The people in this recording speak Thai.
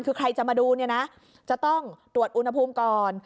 คือใครจะมาดูเนี่ยนะจะต้องตรวจอุณหภูมิก่อน